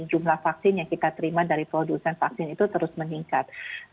jumlah vaksin yang kita terima dari produsen vaksin itu terus meningkat